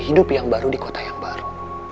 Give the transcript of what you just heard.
hidup yang baru di kota yang baru